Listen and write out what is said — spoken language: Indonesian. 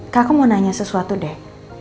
kak aku mau nanya sesuatu deh